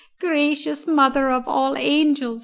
"Gracious Mother of all angels!"